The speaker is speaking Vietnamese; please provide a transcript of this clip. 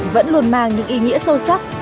vẫn luôn mang những ý nghĩa sâu sắc